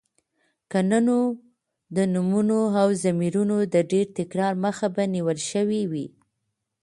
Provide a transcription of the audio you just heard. که نو د نومونو او ضميرونو د ډېر تکرار مخه به نيول شوې وې.